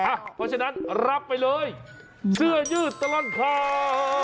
เพราะฉะนั้นรับไปเลยเสื้อยืดตลอดข่าว